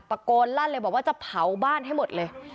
ตะโกนลั่นเลยบอกว่าจะเผาบ้านให้หมดเลย